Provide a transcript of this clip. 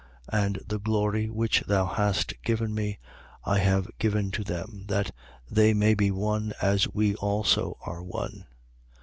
17:22. And the glory which thou hast given me, I have given to them: that, they may be one, as we also are one.